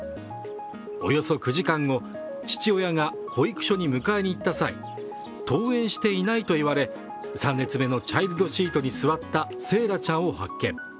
およそ９時間後、父親が保育所に迎えに行った際、登園していないといわれ３列目のチャイルドシートに座った惺愛ちゃんを発見。